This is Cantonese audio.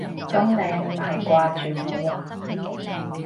噉你唔係掛住我喎